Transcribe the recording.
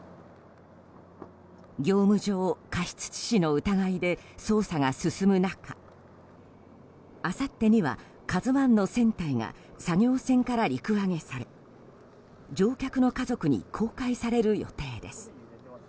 業務上過失致死の疑いで捜査が進む中、あさってには「ＫＡＺＵ１」の船体が作業船から陸揚げされ乗客の家族に公開される予定です。